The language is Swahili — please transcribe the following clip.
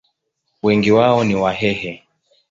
Wengi wao ni Wahehe.